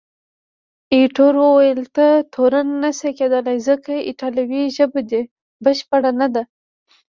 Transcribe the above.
ایټور وویل، ته تورن نه شې کېدای، ځکه ایټالوي ژبه دې بشپړه نه ده.